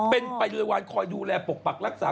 เป็นบริวารคอยดูแลปกปักรักษา